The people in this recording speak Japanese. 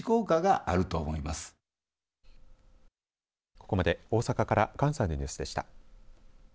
ここまで大阪から関西のニュースでした。